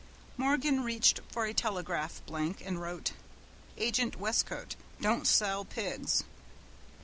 Morgan reached for a telegraph blank and wrote: "Agent, Westcote. Don't sell pigs."